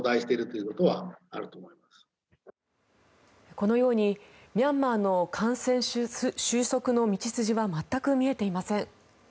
このようにミャンマーの感染収束の道筋は全く見えていません。